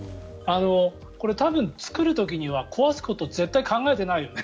これ、多分作る時には壊すことを絶対に考えてないよね。